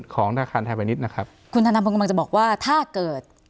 ของธนาคารไทยพาณิชย์นะครับคุณธนพลกำลังจะบอกว่าถ้าเกิด